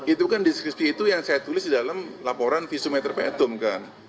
itu kan diskusi itu yang saya tulis di dalam laporan visumeter petum kan